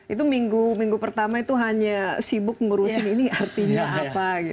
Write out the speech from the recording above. itu minggu minggu pertama itu hanya sibuk ngurusin ini artinya apa